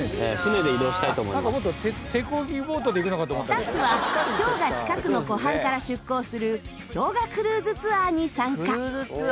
スタッフは氷河近くの湖畔から出港する氷河クルーズツアーに参加。